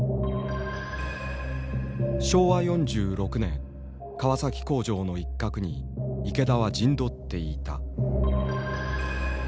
昭和４６年川崎工場の一角に池田は陣取っていた。